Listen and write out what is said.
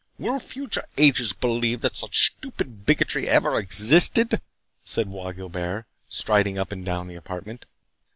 "Will future ages believe that such stupid bigotry ever existed!" said Bois Guilbert, striding up and down the apartment.